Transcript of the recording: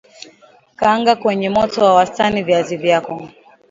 Kaanga kwenye moto wa wastani viazi vyako